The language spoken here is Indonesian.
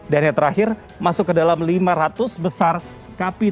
dan yang terakhir masuk ke dalam lima ratus besar kapitalisasi pasar aset kripto